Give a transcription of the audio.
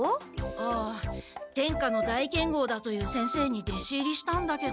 ああ天下の大剣豪だという先生にでし入りしたんだけど。